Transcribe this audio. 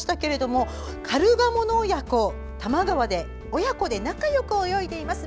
カルガモの親子、多摩川で親子で仲よく泳いでいます。